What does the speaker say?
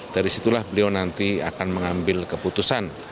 dari situlah beliau nanti akan mengambil keputusan